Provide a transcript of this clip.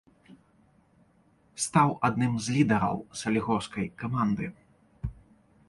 Стаў адным з лідараў салігорскай каманды.